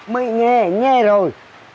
mới nghe nghe rồi